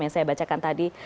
yang saya bacakan tadi